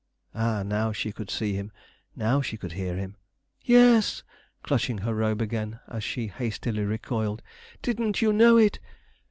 Ah! now she could see him: now she could hear him! "Yes," clutching her robe again as she hastily recoiled; "didn't you know it?